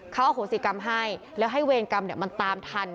เขาอโหสิกรรมให้แล้วให้เวรกรรมมันตามทัน